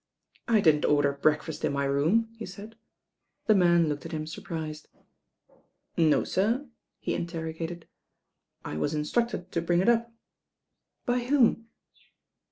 "I didn't order breakfast in my room," he said. The man looked at him surprised. "No, sir?" he interrogated. "I was instructed tn bring it up." "By whom?"